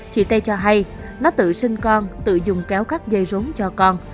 chị tê cho hay nó tự sinh con tự dùng kéo các dây rốn cho con